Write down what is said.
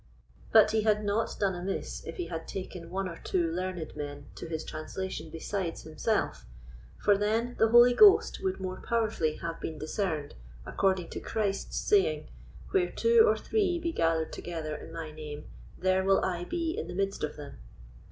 But he had not done amiss if he had taken one or two learned men to his translation besides himself, for then the Holy Ghost would more powerfully have been discerned, according to Christ's saying, "Where two or three be gathered together in my name, there will I be in the midst of them."